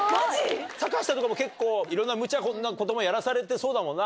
坂下とかも結構、いろんなむちゃなこともやらされてそうだもんな。